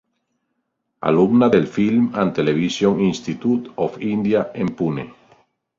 Alumna del Film and Television Institute of India, en Pune.